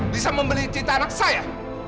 bisa membeli cita anak saya